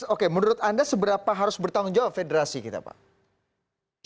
oke menurut anda seberapa harus bertanggung jawab federasi kita pak